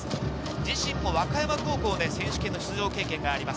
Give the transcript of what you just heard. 自身も和歌山高校で選手権の出場経験があります。